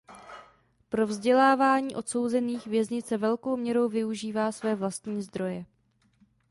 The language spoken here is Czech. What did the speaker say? Pro vzdělávání odsouzených věznice velkou měrou využívá své vlastní zdroje.